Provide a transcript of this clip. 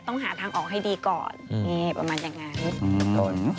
ต้องหาทางออกให้ดีก่อนนี่ประมาณอย่างนั้น